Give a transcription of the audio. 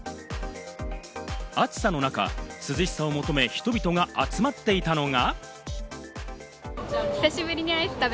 暑さの中、涼しさを求め、人々が集まっていたのが。